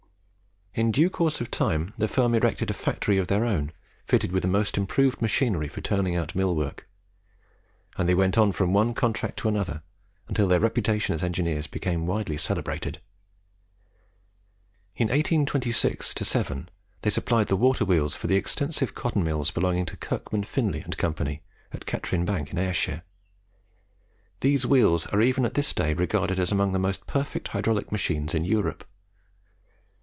In due course of time the firm erected a factory of their own, fitted with the most improved machinery for turning out millwork; and they went on from one contract to another, until their reputation as engineers became widely celebrated. In 1826 7, they supplied the water wheels for the extensive cotton mills belonging to Kirkman Finlay and Company, at Catrine Bank in Ayrshire. These wheels are even at this day regarded as among the most perfect hydraulic machines in Europe.